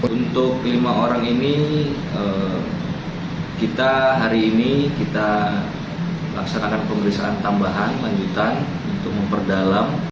untuk lima orang ini kita hari ini kita laksanakan pemeriksaan tambahan lanjutan untuk memperdalam